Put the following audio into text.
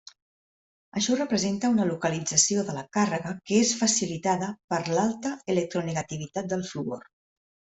Això representa una localització de la càrrega que és facilitada per l'alta electronegativitat del fluor.